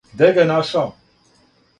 Где га је нашао?